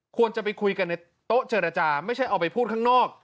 ควรจะไปคุยกันในโต๊ะเจรจาไม่ใช่เอาไปพูดข้างนอก